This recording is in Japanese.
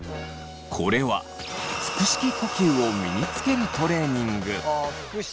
これは腹式呼吸を身につけるトレーニング。